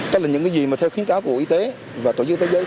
các là những cái gì mà theo khuyến cáo của bộ y tế và tổ chức y tế giới